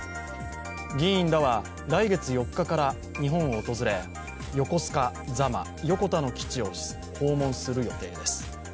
議員らは来月４日から日本を訪れ横須賀、座間、横田の基地を訪問する予定です。